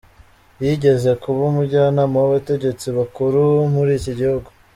Yigeze kuba umujyanama w'abategetsi bakuru muri iki gihugu.